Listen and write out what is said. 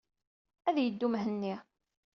Ad yeddu Mhenni.